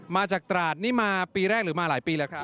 มาจากตราดนี่มาปีแรกหรือมาหลายปีแล้วครับ